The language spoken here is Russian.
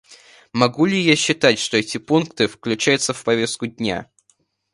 Могу ли я считать, что эти пункты включаются в повестку дня?